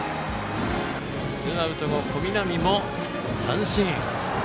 ツーアウト後、小南も三振。